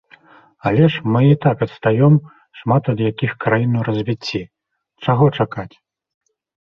Але ж мы і так адстаём шмат ад якіх краін у развіцці, чаго чакаць?